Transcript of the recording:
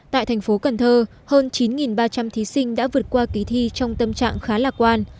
tại thành phố cần thơ hơn chín ba trăm linh thí sinh đã vượt qua kỳ thi trong tâm trạng khá lạc quan